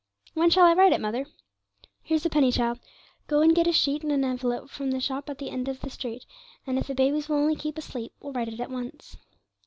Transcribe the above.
'When shall I write it, mother?' 'Here's a penny, child; go and get a sheet and an envelope from the shop at the end of the street, and if the babies will only keep asleep, we'll write it at once.'